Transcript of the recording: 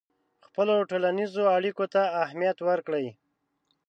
خپلو ټولنیزو اړیکو ته اهمیت ورکړئ.